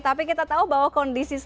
tapi kita tahu bahwa kondisi